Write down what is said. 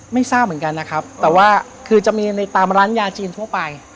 ไม่ทราบเหมือนกันนะครับแต่ว่าคือจะมีในตามร้านยาจีนทั่วไป